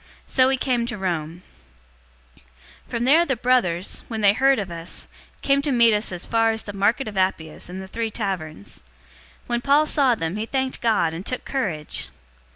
So we came to Rome. 028:015 From there the brothers, when they heard of us, came to meet us as far as The Market of Appius and The Three Taverns. When Paul saw them, he thanked God, and took courage.